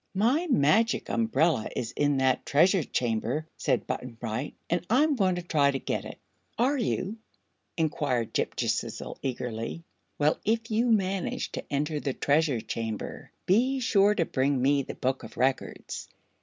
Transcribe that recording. "My Magic Umbrella is in that Treasure Chamber," said Button Bright, "and I'm going to try to get it." "Are you?" inquired Ghip Ghisizzle, eagerly. "Well, if you manage to enter the Treasure Chamber, be sure to bring me the Book of Records.